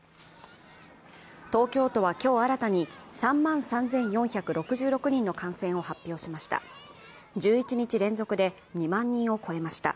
東京都は今日新たに３万３４６６人の感染を発表しました。